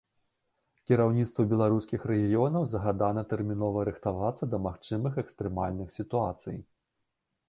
Кіраўніцтву беларускіх рэгіёнаў загадана тэрмінова рыхтавацца да магчымых экстрэмальных сітуацый.